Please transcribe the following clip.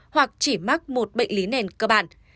hoặc chỉ mắc một bệnh lý nền cơ bản